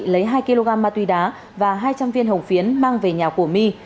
lấy hai kg ma túy đá và hai trăm linh viên hồng phiến mang về nhà của my